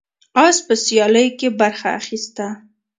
اس په سیالیو کې برخه اخیسته.